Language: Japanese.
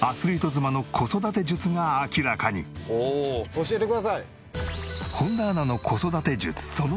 教えてください！